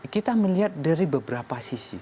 kita melihat dari beberapa sisi